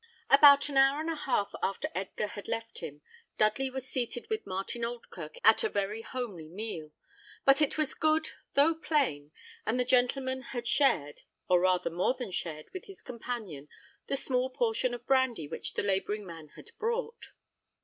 About an hour and a half after Edgar had left him, Dudley was seated with Martin Oldkirk at a very homely meal; but it was good, though plain, and the gentleman had shared, or rather more than shared, with his companion, the small portion of brandy which the labouring man had brought.